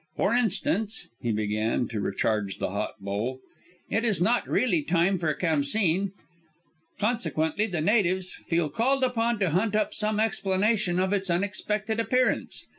For instance" he began to recharge the hot bowl "it is not really time for Khamsîn, consequently the natives feel called upon to hunt up some explanation of its unexpected appearance.